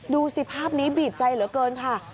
ดูสิภาพนี้บีบใจเหลือเกินค่ะ